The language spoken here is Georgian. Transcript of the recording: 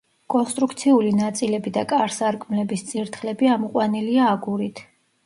კონსტრუქციული ნაწილები და კარ-სარკმლების წირთხლები ამოყვანილია აგურით.